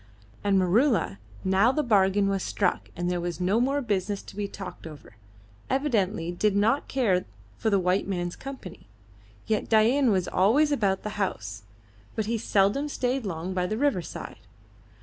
And Maroola, now the bargain was struck and there was no more business to be talked over, evidently did not care for the white man's company. Yet Dain was always about the house, but he seldom stayed long by the riverside.